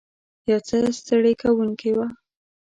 یو څه ستړې کوونکې وه.